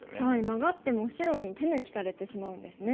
マガっても白に手抜きされてしまうんですね。